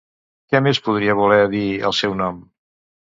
Què més podria voler dir el seu nom?